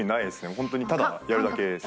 ホントにただやるだけです。